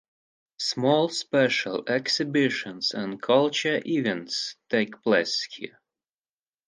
Small special exhibitions and cultural events take place here.